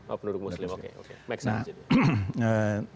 oh penduduk muslim oke